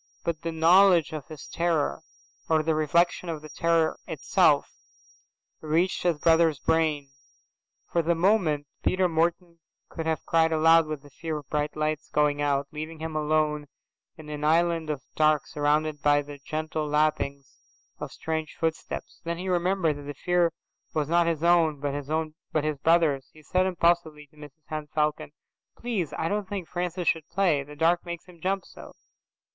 But the knowledge of his terror, or the reflection of the terror itself, reached his brother's brain. For the moment, Peter Morton could have cried aloud with the fear of bright lights going out, leaving him alone in an island of dark surrounded by the gentle lappings of strange footsteps. Then he remembered that the fear was not his own, but his brother's. He said impulsively to Mrs Henne Falcon, "Please, I don't think Francis should play. The dark makes him jump so."